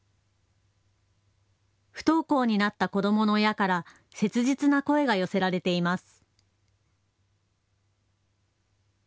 不登校になった子どもの親から切実な声が寄せられています。